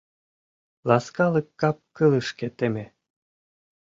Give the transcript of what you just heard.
Ласкалык кап-кылышке теме.